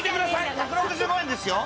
１６５円ですよ。